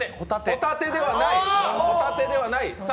ホタテではない。